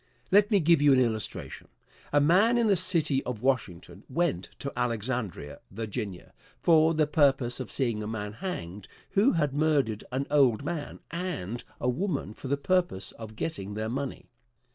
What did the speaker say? Let me give you an illustration. A man in the city of Washington went to Alexandria, Va., for the purpose of seeing a man hanged who had murdered an old man and a woman for the purpose of getting their money.